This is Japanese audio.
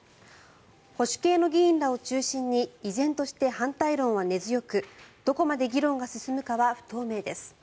保守系の議員らを中心に依然として反対論は根強くどこまで議論が進むかは不透明です。